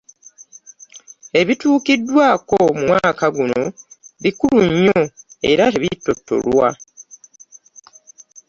Ebituukiddwaako mu mwaka guno bikulu nnyo era tebittottolwa.